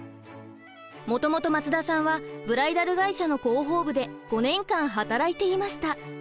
もともと松田さんはブライダル会社の広報部で５年間働いていました。